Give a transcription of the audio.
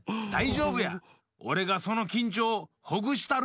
おれがそのきんちょうほぐしたる！